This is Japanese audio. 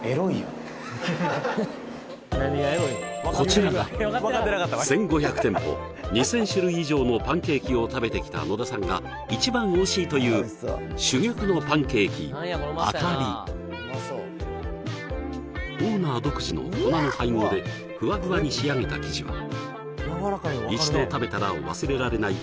こちらが１５００店舗２０００種類以上のパンケーキを食べてきた野田さんが一番おいしいという珠玉のパンケーキあかりオーナー独自の粉の配合でふわふわに仕上げた生地は一度食べたら忘れられない